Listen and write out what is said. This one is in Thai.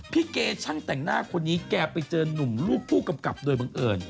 เกย์ช่างแต่งหน้าคนนี้แกไปเจอนุ่มลูกผู้กำกับโดยบังเอิญ